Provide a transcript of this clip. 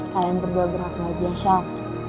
kalian berdua berat lagi ya shell